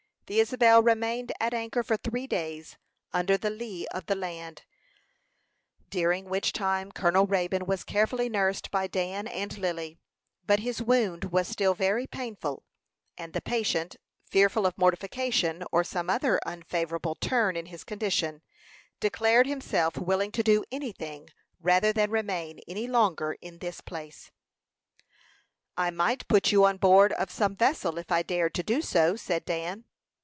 The Isabel remained at anchor for three days, under the lea of the land, during which time Colonel Raybone was carefully nursed by Dan and Lily; but his wound was still very painful, and the patient, fearful of mortification, or some other unfavorable turn in his condition, declared himself willing to do any thing rather than remain any longer in this place. "I might put you on board of some vessel if I dared to do so," said Dan.